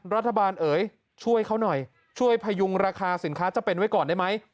รัฐบาลเอ๋ยช่วยเขาหน่อยช่วยพยุงราคาสินค้าจำเป็นไว้ก่อนได้ไหม